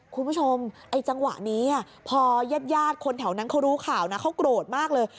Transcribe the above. คุณผู้ชมไอ้จังหวะนี้พอญาติคนแถวนั้นเขารู้ข่าวนะเขาโกรธมากเลย